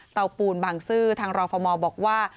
ปูนบางซื่อทางรฟมบอกว่า